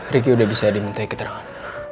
riki sudah bisa diminta keterangan